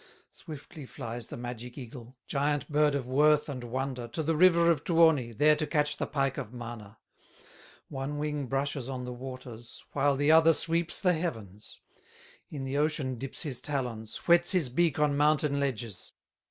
Swiftly flies the magic eagle, Giant bird of worth and wonder, To the river of Tuoni, There to catch the pike of Mana; One wing brushes on the waters, While the other sweeps the heavens; In the ocean dips his talons, Whets his beak on mountain ledges.